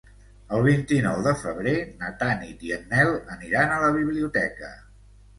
El vint-i-nou de febrer na Tanit i en Nel aniran a la biblioteca.